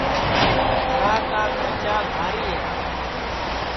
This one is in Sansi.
گھرا کا کھرچا بھاری ہے